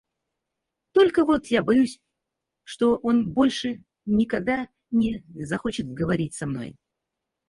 Только вот я боюсь, что он больше никогда не захочет говорить со мной.